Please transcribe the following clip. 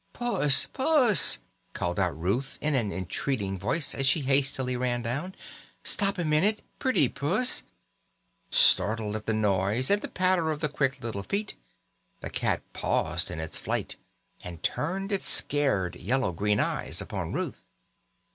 "Puss! puss!" called out Ruth in an entreating voice as she hastily ran down. "Stop a minute! Pretty puss!" Startled at the noise and the patter of the quick little feet, the cat paused in its flight and turned its scared yellow green eyes upon Ruth.